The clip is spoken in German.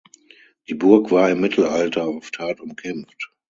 Die Burg war im Mittelalter oft hart umkämpft.